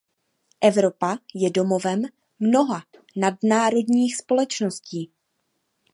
Evropa je domovem mnoha nadnárodních společností.